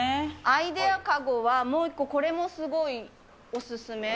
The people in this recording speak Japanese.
アイデア籠はもう１個、これもすごいお勧め。